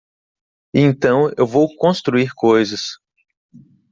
E então eu vou construir coisas.